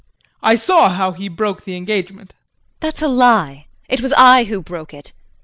I saw how he broke the engagement. JULIE. That's a lie. It was I who broke it.